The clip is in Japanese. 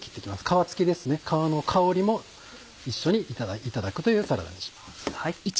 皮付きですね皮の香りも一緒にいただくというサラダにします。